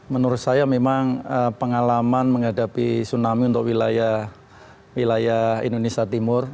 menurut saya memang pengalaman menghadapi tsunami untuk wilayah indonesia timur